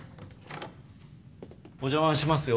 お邪魔しますよ。